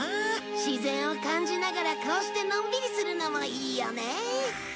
自然を感じながらこうしてのんびりするのもいいよね。